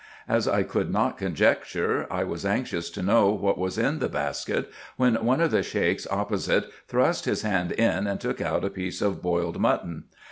As I could not conjecture, I was anxious to know what was in the basket, when one of the Sheiks opposite thrust his hand in and took out a piece of boiled mutton.